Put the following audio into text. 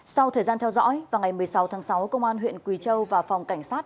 sau thời gian theo dõi vào ngày một mươi sáu tháng sáu công an huyện quỳ châu và phòng cảnh sát